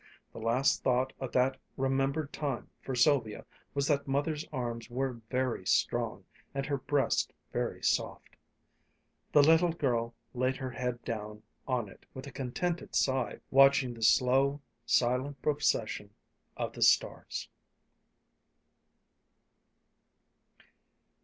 The last thought of that remembered time for Sylvia was that Mother's arms were very strong, and her breast very soft. The little girl laid her head down on it with a contented sigh, watching the slow, silent procession of the stars.